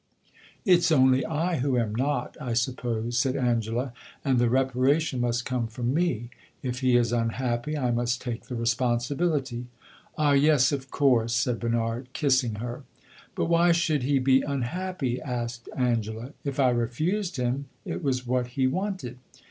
"It 's only I who am not, I suppose," said Angela, "and the reparation must come from me! If he is unhappy, I must take the responsibility." "Ah yes, of course," said Bernard, kissing her. "But why should he be unhappy?" asked Angela. "If I refused him, it was what he wanted."